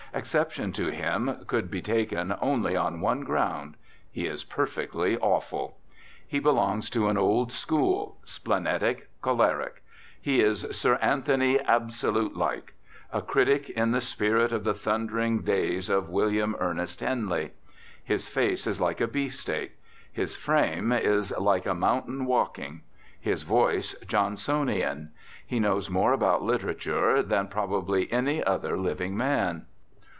Exception to him could be taken only on one ground. He is perfectly awful. He belongs to an old school; splenetic, choleric. He is Sir Anthony Absolute like; a critic in the spirit of the thundering days of William Ernest Henley. His face is like a beefsteak. His frame is like "a mountain walking." His voice, Johnsonian. He knows more about literature than probably any other living man.